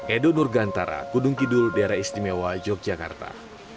edo nurgantara kudung kidul daerah istimewa yogyakarta